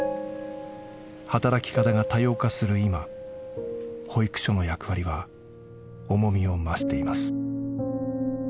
働き方が多様化する今保育所の役割は重みを増しています。